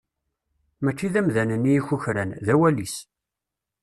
Mačči d amdan-nni i kukran, d awal-is.